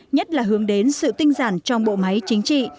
nhất là hướng đến sự tinh giản trong bộ máy chính trị